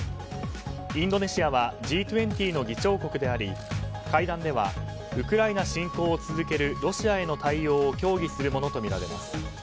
インドネシアはＧ２０の議長国であり会談ではウクライナ侵攻を続けるロシアへの対応を協議するものとみられます。